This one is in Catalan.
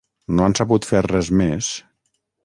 No han sabut fer res més...